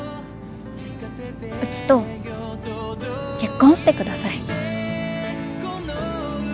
うちと結婚してください。